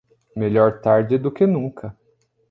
Melhor tarde do que nunca.